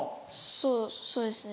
そうそうですね。